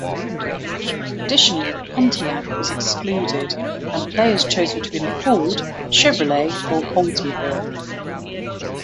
Additionally, Pontiac was excluded and players chose between a Ford, Chevrolet or Oldsmobile.